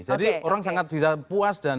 jadi orang sangat bisa puas dan